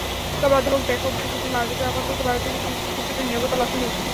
তবে, অধ্যাপক জ্যাকব লিখেছেন, মালদ্বীপে আপাতত ভারতীয় কূটনীতিতে কিছুটা নীরবতা লক্ষণীয়।